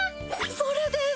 それです。